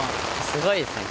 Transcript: すごいですね。